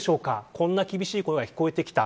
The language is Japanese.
こんな厳しい声が聞こえてきた。